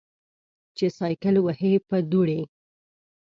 چې سایکل وهې په دوړې.